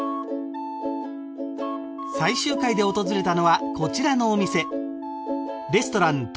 最終回で訪れたのはこちらのお店レストラン